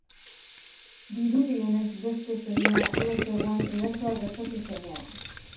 Dirudienez, beste semea lo zegoen erasoa gertatu zenean.